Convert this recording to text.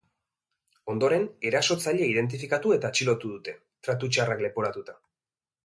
Ondoren, erasotzailea identifikatu eta atxilotu dute, tratu txarrak leporatuta.